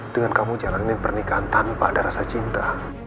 dengan kamu jalanin pernikahan tanpa ada rasa cinta